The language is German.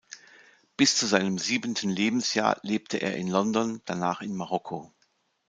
Bis zu seinem siebten Lebensjahr lebte er in London, danach in Marokko.